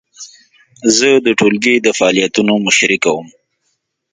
زه د ټولګي د فعالیتونو مشري کوم.